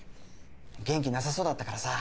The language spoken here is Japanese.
元気なさそうだったからさ。